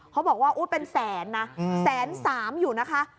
เขาบอกว่าอุ๊ดเป็นแสนนะแสนสามอยู่นะคะ